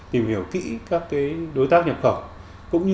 tìm hiểu kỹ các đối tác nhập khẩu